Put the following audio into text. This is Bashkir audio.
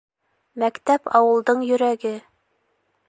Мәктәп — ауылдың йөрәге.